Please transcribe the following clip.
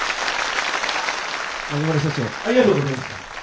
中村社長ありがとうございました。